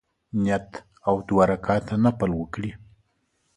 نیت او دوه رکعته نفل وکړي.